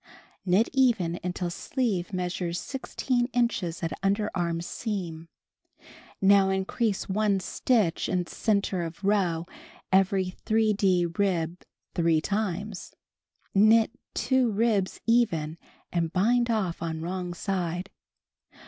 Knit even until sleeve measures 1() inches at underarm seam. Now in crease one stitch in center of row every 3d rib 3 times; knit 2 ribs even and bind off on wrong side.